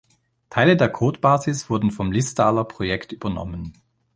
Teile der Codebasis wurden vom "Listaller"-Projekt übernommen.